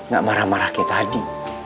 gak marah marah kayak tadi